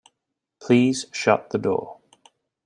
Please shut the door.